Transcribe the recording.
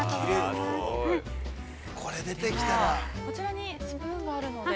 ◆こちらにスプーンがあるので。